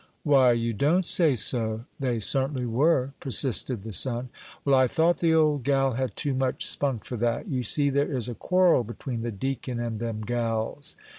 "Why, you don't say so!" "They certainly were," persisted the son. "Well, I thought the old gal had too much spunk for that: you see there is a quarrel between the deacon and them gals."